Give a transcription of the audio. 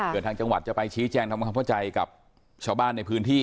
ทางจังหวัดจะไปชี้แจงทำความเข้าใจกับชาวบ้านในพื้นที่